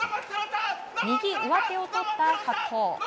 右上手をとった白鵬。